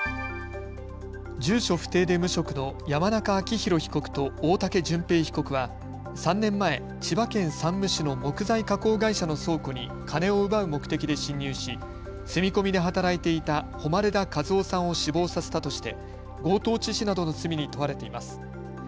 住所不定で無職の山中曉熙被告と大竹純平被告は３年前、千葉県山武市の木材加工会社の倉庫に金を奪う目的で侵入し住み込みで働いていた譽田一夫さんを死亡させたとして強盗致死などの罪に問われています。